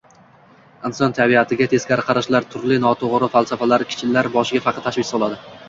Inson tabiatiga teskari qarashlar, turli noto‘g‘ri falsafalar kishilar boshiga faqat tashvish soladi.